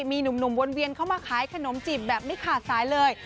มีหนุ่มวนเวียนเข้ามาขายขนมจีบแบบไม่ขาดสายเลย